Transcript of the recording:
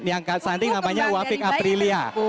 yang stunting namanya wafik aprilia